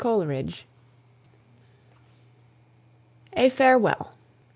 COLERIDGE. A FAREWELL.